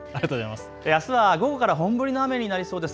あすは午後から本降りの雨になりそうです。